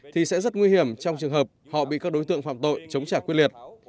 thì sẽ rất nguy hiểm trong trường hợp họ bị các đối tượng phạm tội chống trả quyết liệt